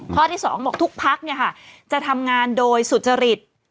ข้อที่สองบอกทุกภาคเนี่ยค่ะจะทำงานโดยสุจริต